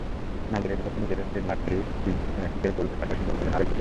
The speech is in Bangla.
নাইজেরিয়ার বিপক্ষে নিজের ট্রেডমার্ক ফ্রি-কিকের গোলের পাশাপাশি করলেন আরও একটি গোল।